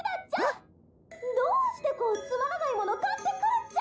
わっ！どうしてこうつまらないもの買ってくるっちゃ。